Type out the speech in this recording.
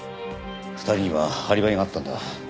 ２人にはアリバイがあったんだ。